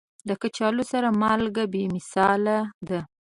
د کچالو سره مالګه بې مثاله ده.